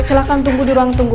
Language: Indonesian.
silahkan tunggu di ruang tunggu